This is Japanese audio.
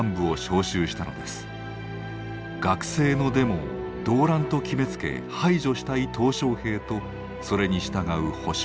学生のデモを動乱と決めつけ排除したい小平とそれに従う保守派。